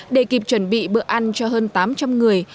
để kịp chuẩn bị bữa ăn cho hơn tám trăm linh người